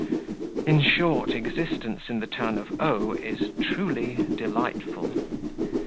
In short, existence in the town of O is truly delightful.